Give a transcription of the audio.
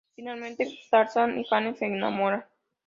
Finalmente, Tarzán y Jane se enamoran.